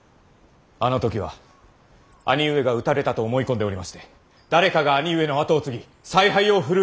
あの時は兄上が討たれたと思い込んでおりまして誰かが兄上の跡を継ぎ采配を振るうべきと考えました。